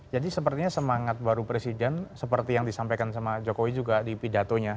jadi semangat baru presiden seperti yang disampaikan jokowi di pidatonya